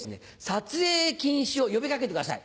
撮影禁止を呼びかけてください。